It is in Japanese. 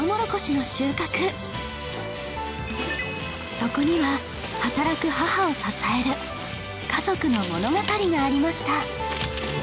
そこには働く母を支える家族の物語がありました